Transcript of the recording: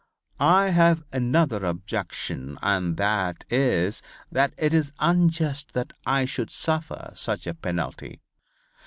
I have another objection and that is that it is unjust that I should suffer such a penalty.